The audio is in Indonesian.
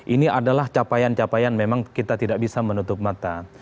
ini adalah capaian capaian memang kita tidak bisa menutup mata